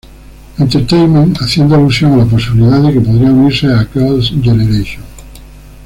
Entertainment, haciendo alusión a la posibilidad de que podría unirse a Girls' Generation.